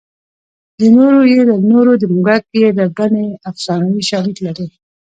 د نورو یې له نورو د موږک یې له بنۍ افسانوي شالید لري